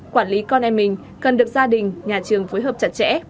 quản lý con em mình cần được gia đình nhà trường phối hợp chặt chẽ